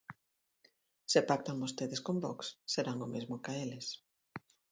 Se pactan vostedes con Vox, serán o mesmo ca eles.